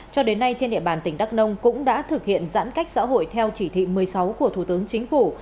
cho đến nay trên địa bàn tỉnh đắk nông cũng đã thực hiện giãn cách xã hội theo chỉ thị một mươi sáu của thủ tướng chính phủ